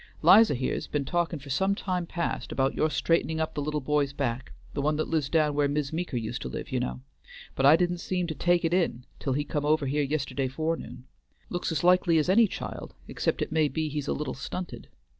"'Liza here's been talking for some time past, about your straightening up the little boy's back, the one that lives down where Mis' Meeker used to live you know, but I didn't seem to take it in till he come over here yisterday forenoon. Looks as likely as any child, except it may be he's a little stunted.